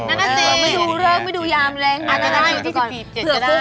ไม่ดูเรื่องไม่ดูยามแรงทั้ง๖๐คน